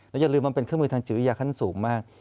อย่าลืมมันเป็นเครื่องมือทางจิตวิทยาขั้นสูงมาก